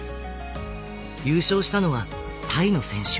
優勝したのはタイの選手。